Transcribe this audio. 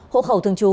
hộ khẩu thường trú